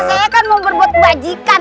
saya kan mau berbuat kebajikan